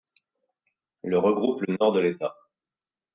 Le regroupe le nord de l'État.